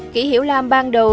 kỷ hiểu lam ban đầu